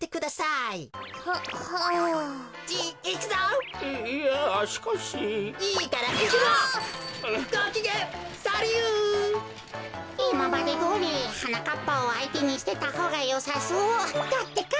いままでどおりはなかっぱをあいてにしてたほうがよさそうだってか。